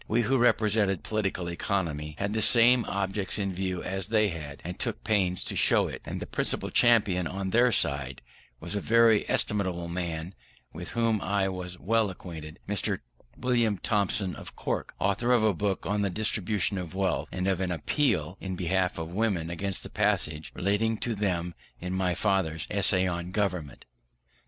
We who represented political economy, had the same objects in view as they had, and took pains to show it; and the principal champion on their side was a very estimable man, with whom I was well acquainted, Mr. William Thompson, of Cork, author of a book on the Distribution of Wealth, and of an " Appeal" in behalf of women against the passage relating to them in my father's Essay on Government.